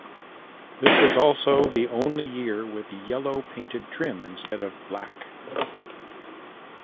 This was also the only year with yellow painted trim instead of black.